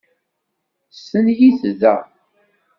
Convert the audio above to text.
Stenyit da.